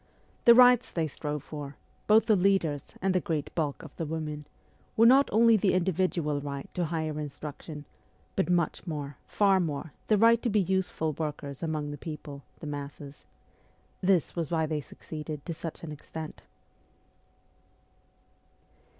The rights they strove for both the leaders and the great bulk of the women were not only the individual right to higher instruction, but much more, far more, the right to be useful workers among the people, the masses. This was why they succeeded to such an extent.